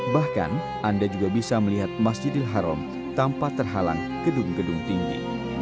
bahkan anda juga bisa melihat masjidil haram tanpa terhalang gedung gedung tinggi